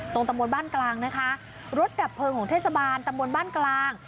ตำบลบ้านกลางนะคะรถดับเพลิงของเทศบาลตำบลบ้านกลาง